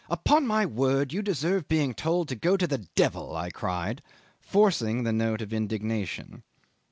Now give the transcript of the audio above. "Upon my word you deserve being told to go to the devil," I cried, forcing the note of indignation.